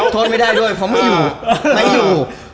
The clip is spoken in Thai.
โทษไม่ได้ด้วยเพราะไม่อยู่